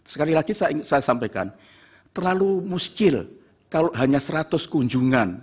sekali lagi saya sampaikan terlalu muskil kalau hanya seratus kunjungan